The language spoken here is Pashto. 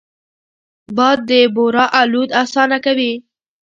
باد د بورا الوت اسانه کوي